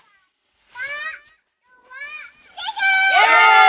satu dua tiga